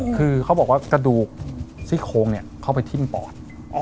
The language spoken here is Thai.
คือเขาบอกว่ากระดูกซี่โครงเข้าไปทิ้มปอด